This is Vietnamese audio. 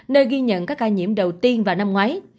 nơi ghi nhận các ca nhiễm đầu tiên vào năm ngoái